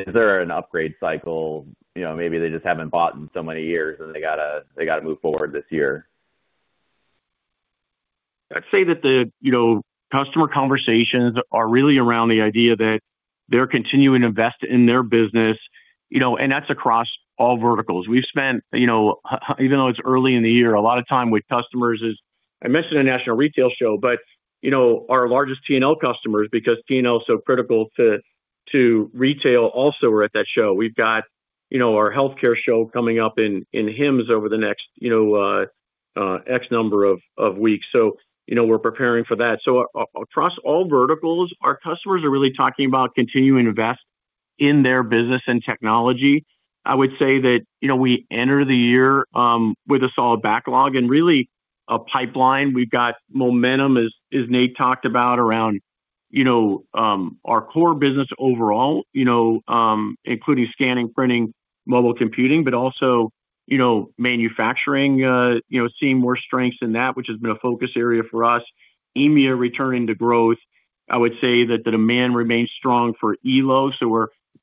is there an upgrade cycle? You know, maybe they just haven't bought in so many years, and they gotta move forward this year. I'd say that the, you know, customer conversations are really around the idea that they're continuing to invest in their business, you know, and that's across all verticals. We've spent, you know, even though it's early in the year, a lot of time with customers, as I mentioned, the National Retail Show, but, you know, our largest T&L customers, because T&L is so critical to retail, also, were at that show. We've got, you know, our healthcare show coming up in HIMSS over the next, you know, X number of weeks. So, you know, we're preparing for that. So across all verticals, our customers are really talking about continuing to invest in their business and technology. I would say that, you know, we enter the year with a solid backlog and really a pipeline. We've got momentum, as Nate talked about, around, you know, our core business overall, you know, including scanning, printing, mobile computing, but also, you know, manufacturing, you know, seeing more strengths in that, which has been a focus area for us. EMEA returning to growth. I would say that the demand remains strong for Elo, so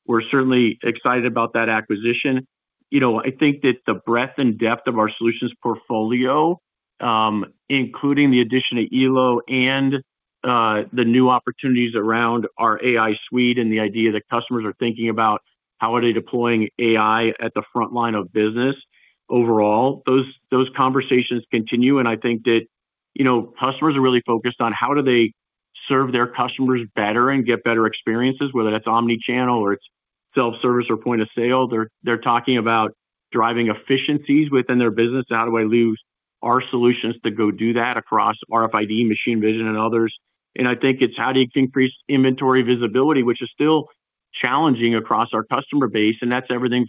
we're certainly excited about that acquisition. You know, I think that the breadth and depth of our solutions portfolio, including the addition of Elo and the new opportunities around our AI suite and the idea that customers are thinking about how are they deploying AI at the frontline of business overall, those conversations continue. And I think that, you know, customers are really focused on how do they serve their customers better and get better experiences, whether that's omni-channel or it's self-service or point of sale. They're talking about driving efficiencies within their business. How do we use our solutions to go do that across RFID, machine vision, and others? I think it's how do you increase inventory visibility, which is still challenging across our customer base, and that's everything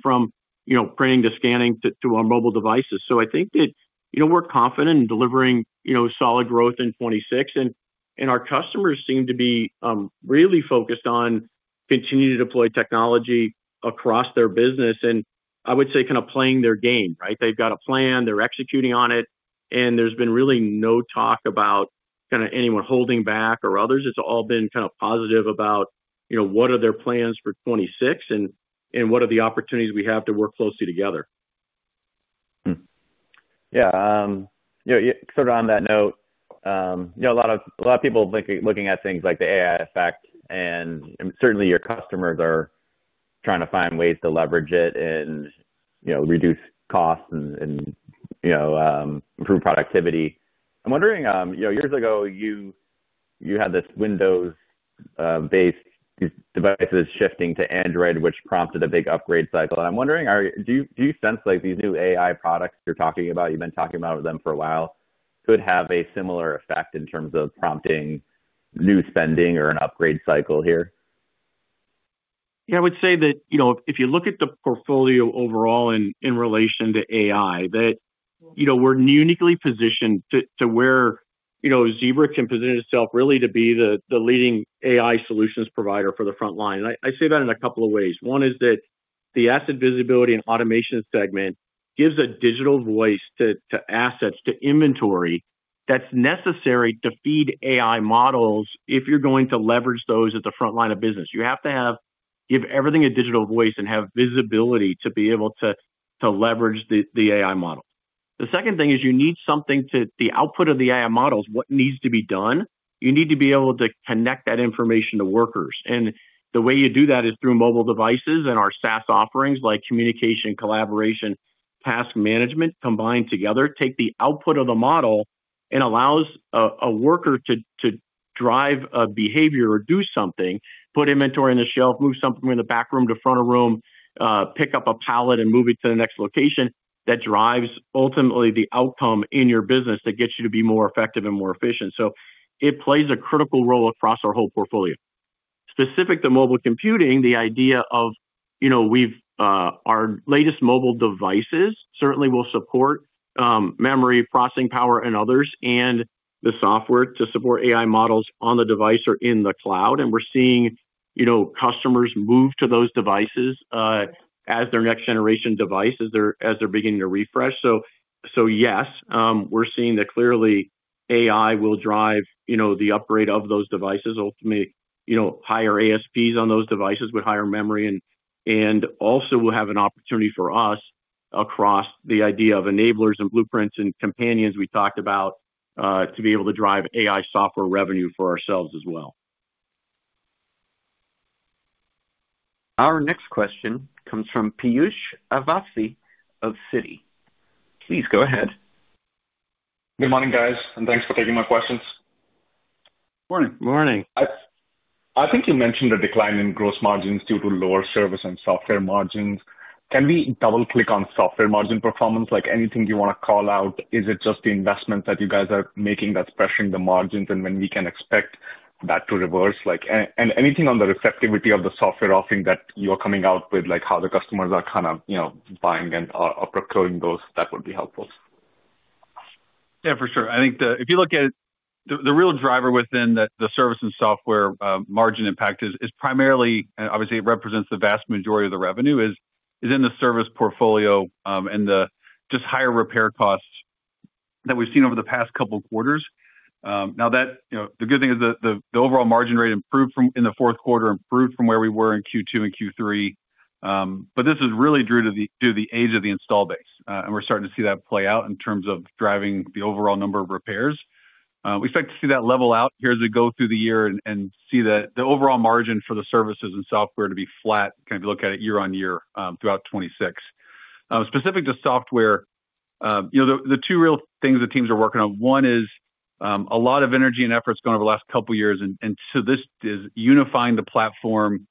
from, you know, printing to scanning to our mobile devices. I think that, you know, we're confident in delivering, you know, solid growth in 2026, and our customers seem to be really focused on continuing to deploy technology across their business, and I would say, kind of playing their game, right? They've got a plan, they're executing on it, and there's been really no talk about kinda anyone holding back or others. It's all been kind of positive about, you know, what are their plans for 2026, and what are the opportunities we have to work closely together? Yeah, you know, sort of on that note, you know, a lot of people looking at things like the AI effect, and certainly your customers are trying to find ways to leverage it and, you know, reduce costs and, you know, improve productivity. I'm wondering, you know, years ago, you had this Windows-based devices shifting to Android, which prompted a big upgrade cycle. And I'm wondering, do you sense like these new AI products you're talking about, you've been talking about them for a while, could have a similar effect in terms of prompting new spending or an upgrade cycle here? Yeah, I would say that, you know, if you look at the portfolio overall in relation to AI, that, you know, we're uniquely positioned to where, you know, Zebra can position itself really to be the leading AI solutions provider for the front line. I say that in a couple of ways. One is that the asset visibility and automation segment gives a digital voice to assets, to inventory that's necessary to feed AI models if you're going to leverage those at the front line of business. You have to give everything a digital voice and have visibility to be able to leverage the AI model. The second thing is you need something to... the output of the AI models, what needs to be done, you need to be able to connect that information to workers. The way you do that is through mobile devices and our SaaS offerings, like communication, collaboration, task management, combined together, take the output of the model and allows a worker to drive a behavior or do something, put inventory on the shelf, move something from the back room to front of room, pick up a pallet and move it to the next location, that drives ultimately the outcome in your business that gets you to be more effective and more efficient. It plays a critical role across our whole portfolio. Specific to mobile computing, the idea of, you know, we've our latest mobile devices certainly will support memory, processing power, and others, and the software to support AI models on the device or in the cloud. And we're seeing, you know, customers move to those devices, as their next generation device, as they're beginning to refresh. So, yes, we're seeing that clearly AI will drive, you know, the upgrade of those devices, ultimately, you know, higher ASPs on those devices with higher memory, and also will have an opportunity for us across the idea of enablers and blueprints and companions we talked about, to be able to drive AI software revenue for ourselves as well. Our next question comes from Piyush Awasthi of Citi. Please go ahead. Good morning, guys, and thanks for taking my questions. Morning. Morning. I think you mentioned a decline in gross margins due to lower service and software margins. Can we double-click on software margin performance? Like, anything you want to call out, is it just the investment that you guys are making that's pressuring the margins, and when we can expect that to reverse? Like, and anything on the receptivity of the software offering that you're coming out with, like how the customers are kind of, you know, buying and or, or procuring those, that would be helpful. Yeah, for sure. I think if you look at it, the real driver within the service and software margin impact is primarily, and obviously, it represents the vast majority of the revenue, is in the service portfolio, and the just higher repair costs that we've seen over the past couple of quarters. Now that, you know, the good thing is the overall margin rate improved from, in the fourth quarter, improved from where we were in Q2 and Q3. But this is really due to the age of the install base, and we're starting to see that play out in terms of driving the overall number of repairs. We expect to see that level out here as we go through the year and see the overall margin for the services and software to be flat, kind of look at it year-on-year throughout 2026. Specific to software, you know, the two real things the teams are working on, one is a lot of energy and effort's gone over the last couple of years, and so this is unifying the platform,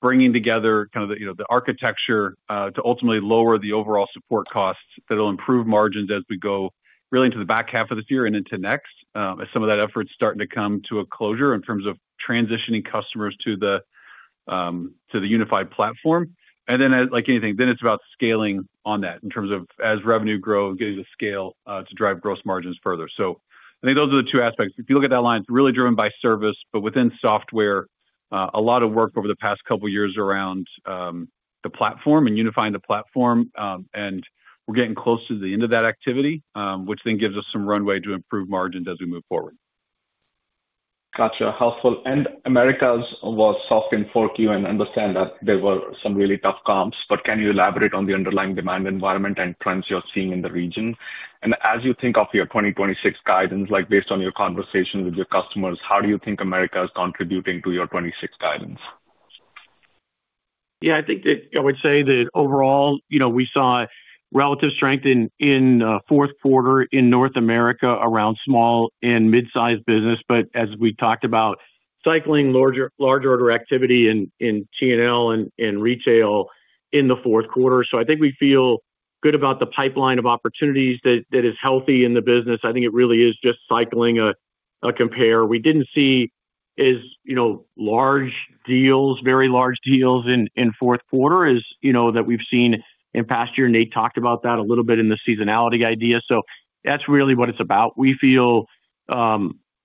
bringing together kind of the, you know, the architecture to ultimately lower the overall support costs that'll improve margins as we go really into the back half of this year and into next. As some of that effort's starting to come to a closure in terms of transitioning customers to the unified platform. Then, as like anything, then it's about scaling on that in terms of as revenue grows, getting the scale, to drive gross margins further. So I think those are the two aspects. If you look at that line, it's really driven by service, but within software, a lot of work over the past couple of years around, the platform and unifying the platform. And we're getting close to the end of that activity, which then gives us some runway to improve margin as we move forward. Gotcha. Helpful. Americas was soft in Q4, and I understand that there were some really tough comps, but can you elaborate on the underlying demand environment and trends you're seeing in the region? And as you think of your 2026 guidance, like based on your conversation with your customers, how do you think America is contributing to your 2026 guidance? Yeah, I think that I would say that overall, you know, we saw relative strength in, in, fourth quarter in North America around small and mid-sized business, but as we talked about, cycling larger, larger order activity in, in T&L and in retail in the fourth quarter. So I think we feel good about the pipeline of opportunities that, that is healthy in the business. I think it really is just cycling a, a compare. We didn't see as, you know, large deals, very large deals in, in fourth quarter as, you know, that we've seen in past year. Nate talked about that a little bit in the seasonality idea. So that's really what it's about. We feel,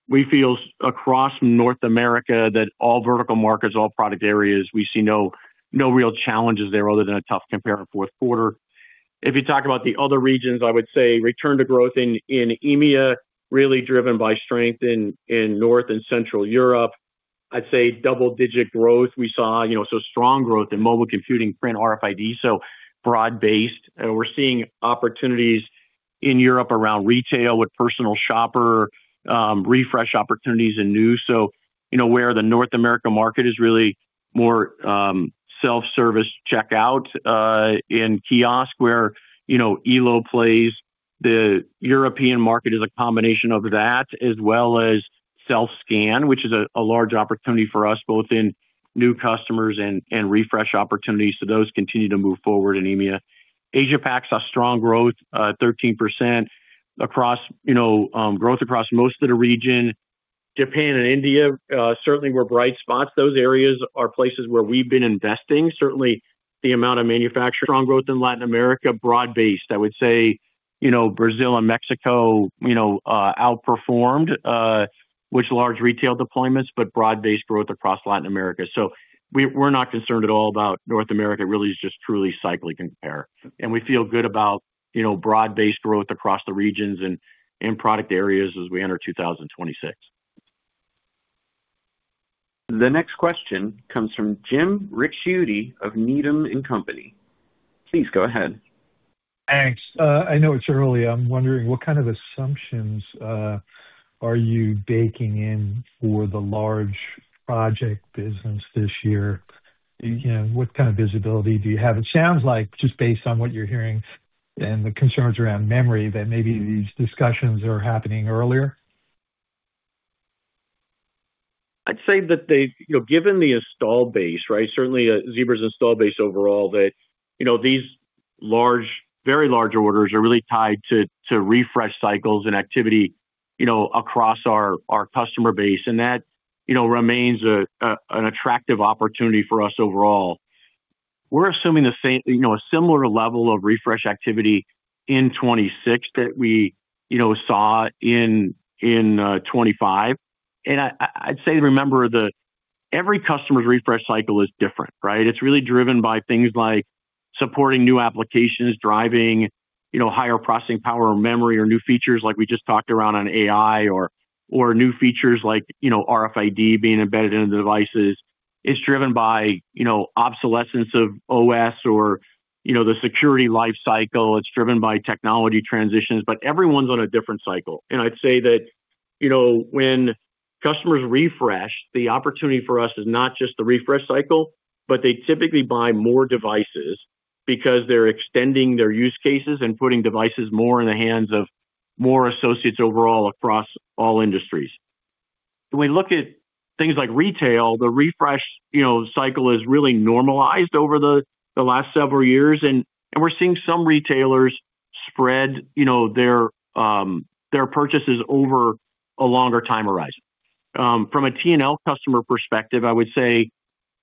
we feel across North America that all vertical markets, all product areas, we see no, no real challenges there other than a tough compare in fourth quarter. If you talk about the other regions, I would say return to growth in EMEA, really driven by strength in North and Central Europe. I'd say double-digit growth we saw, you know, so strong growth in mobile computing, print, RFID, so broad-based. We're seeing opportunities in Europe around retail, with personal shopper refresh opportunities and new. So, you know, where the North America market is really more self-service checkout in kiosk, where, you know, Elo plays, the European market is a combination of that as well as self-scan, which is a large opportunity for us, both in new customers and refresh opportunities. So those continue to move forward in EMEA. Asia-Pac saw strong growth, thirteen percent across, you know, growth across most of the region. Japan and India certainly were bright spots. Those areas are places where we've been investing. Certainly, the amount of manufacturer- Strong growth in Latin America, broad-based. I would say, you know, Brazil and Mexico, you know, outperformed with large retail deployments, but broad-based growth across Latin America. So we're not concerned at all about North America, really is just truly cyclic compare. And we feel good about, you know, broad-based growth across the regions and, and product areas as we enter 2026. The next question comes from Jim Ricchiuti of Needham and Company. Please go ahead. Thanks. I know it's early. I'm wondering, what kind of assumptions are you baking in for the large project business this year? And what kind of visibility do you have? It sounds like, just based on what you're hearing and the concerns around memory, that maybe these discussions are happening earlier. I'd say that they... You know, given the install base, right, certainly Zebra's install base overall, that, you know, these large, very large orders are really tied to, to refresh cycles and activity, you know, across our, our customer base. And that, you know, remains a, an attractive opportunity for us overall. We're assuming the same, you know, a similar level of refresh activity in 2026 that we, you know, saw in 2025. And I, I'd say remember, the every customer's refresh cycle is different, right? It's really driven by things like supporting new applications, driving, you know, higher processing power or memory, or new features like we just talked around on AI or, or new features like, you know, RFID being embedded into the devices. It's driven by, you know, obsolescence of OS or, you know, the security life cycle. It's driven by technology transitions, but everyone's on a different cycle. I'd say that, you know, when customers refresh, the opportunity for us is not just the refresh cycle, but they typically buy more devices because they're extending their use cases and putting devices more in the hands of more associates overall across all industries. When we look at things like retail, the refresh, you know, cycle is really normalized over the last several years, and we're seeing some retailers spread, you know, their purchases over a longer time horizon. From a T&L customer perspective, I would say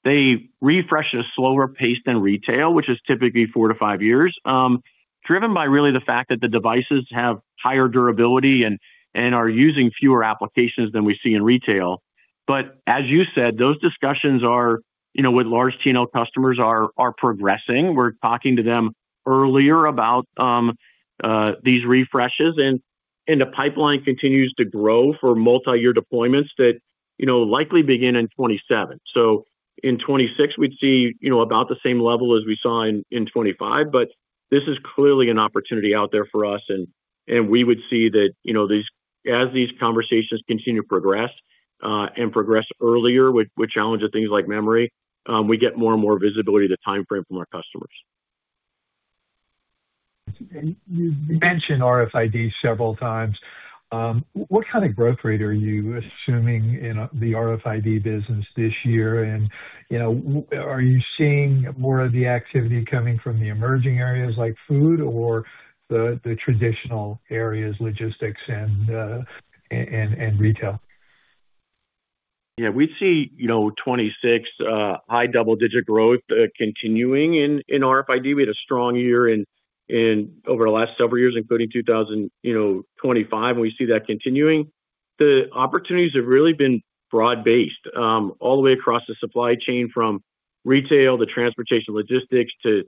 they refresh at a slower pace than retail, which is typically 4-5 years. Driven by really the fact that the devices have higher durability and are using fewer applications than we see in retail. But as you said, those discussions are, you know, with large T&L customers, progressing. We're talking to them earlier about these refreshes, and the pipeline continues to grow for multiyear deployments that, you know, likely begin in 2027. So in 2026, we'd see, you know, about the same level as we saw in 2025, but this is clearly an opportunity out there for us, and we would see that, you know, these, as these conversations continue to progress and progress earlier, with challenges of things like memory, we get more and more visibility to the timeframe from our customers. You've mentioned RFID several times. What kind of growth rate are you assuming in the RFID business this year? And, you know, are you seeing more of the activity coming from the emerging areas like food or the traditional areas, logistics and retail? Yeah, we'd see, you know, 26, high double-digit growth, continuing in RFID. We had a strong year in over the last several years, including 2025, and we see that continuing. The opportunities have really been broad-based, all the way across the supply chain, from retail to transportation, logistics to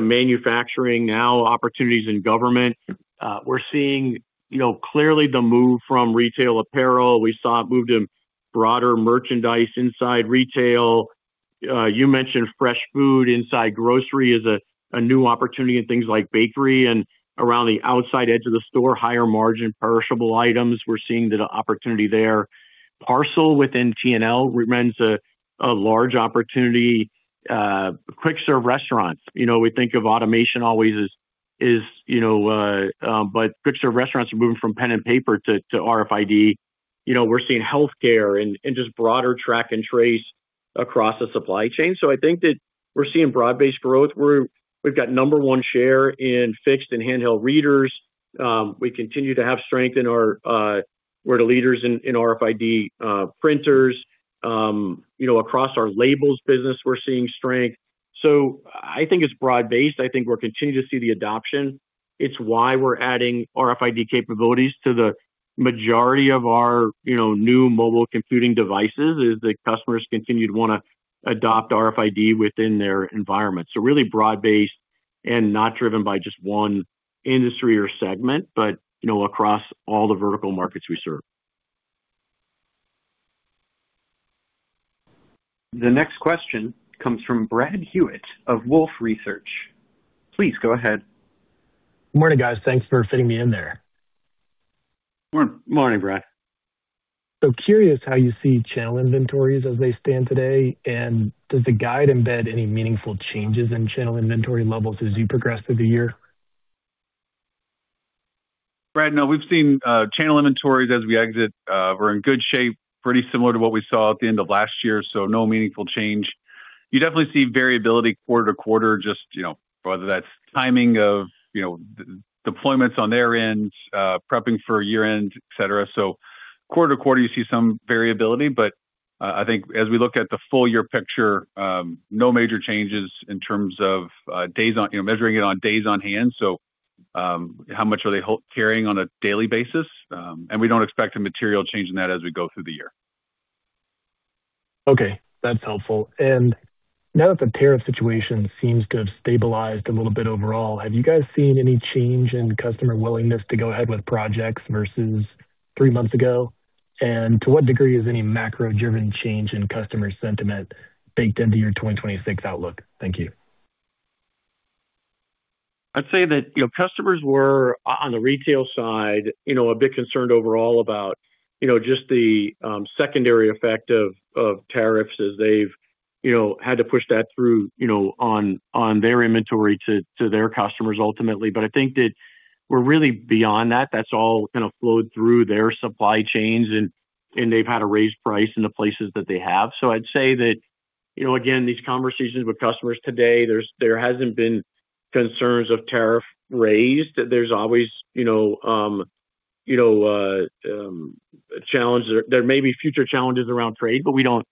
manufacturing. Now, opportunities in government. We're seeing, you know, clearly the move from retail apparel. We saw it move to broader merchandise inside retail. You mentioned fresh food inside grocery is a new opportunity, and things like bakery and around the outside edge of the store, higher-margin, perishable items, we're seeing the opportunity there. Parcel within T&L remains a large opportunity. Quick serve restaurants. You know, we think of automation always as you know, but Quick Service restaurants are moving from pen and paper to RFID. You know, we're seeing healthcare and just broader track and trace across the supply chain. So I think that we're seeing broad-based growth. We have number one share in fixed and handheld readers. We continue to have strength in our, we're the leaders in RFID printers. You know, across our labels business, we're seeing strength. So I think it's broad-based. I think we're continuing to see the adoption. It's why we're adding RFID capabilities to the majority of our, you know, new mobile computing devices, is that customers continue to want to adopt RFID within their environment. Really broad-based and not driven by just one industry or segment, but, you know, across all the vertical markets we serve. The next question comes from Brad Hewitt of Wolfe Research. Please go ahead. Good morning, guys. Thanks for fitting me in there. Morning, Brad. Curious how you see channel inventories as they stand today, and does the guide embed any meaningful changes in channel inventory levels as you progress through the year? Brad, no, we've seen channel inventories as we exit, we're in good shape, pretty similar to what we saw at the end of last year, so no meaningful change. You definitely see variability quarter to quarter, just, you know, whether that's timing of, you know, deployments on their end, prepping for year-end, et cetera. So quarter to quarter, you see some variability, but, I think as we look at the full year picture, no major changes in terms of, days on... You know, measuring it on days on hand. So, how much are they carrying on a daily basis? And we don't expect a material change in that as we go through the year. Okay, that's helpful. Now that the tariff situation seems to have stabilized a little bit overall, have you guys seen any change in customer willingness to go ahead with projects versus three months ago? To what degree is any macro-driven change in customer sentiment baked into your 2026 outlook? Thank you. I'd say that, you know, customers were on the retail side, you know, a bit concerned overall about, you know, just the secondary effect of tariffs as they've, you know, had to push that through, you know, on their inventory to their customers ultimately. But I think that we're really beyond that. That's all kind of flowed through their supply chains and they've had to raise price in the places that they have. So I'd say that, you know, again, these conversations with customers today, there hasn't been concerns of tariff raised. There's always, you know, challenges. There may be future challenges around trade, but we don't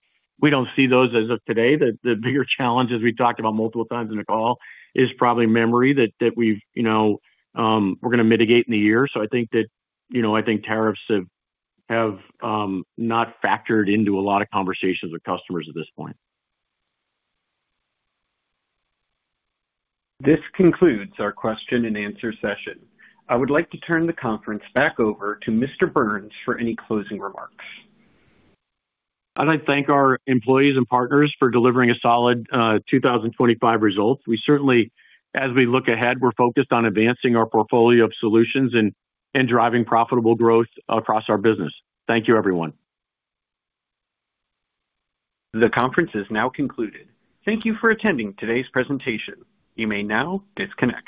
see those as of today. The bigger challenges we talked about multiple times in the call is probably memory that we've, you know, we're gonna mitigate in the year. So I think that, you know, I think tariffs have not factored into a lot of conversations with customers at this point. This concludes our question-and-answer session. I would like to turn the conference back over to Mr. Burns for any closing remarks. I’d like to thank our employees and partners for delivering a solid 2025 results. We certainly, as we look ahead, we’re focused on advancing our portfolio of solutions and driving profitable growth across our business. Thank you, everyone. The conference is now concluded. Thank you for attending today's presentation. You may now disconnect.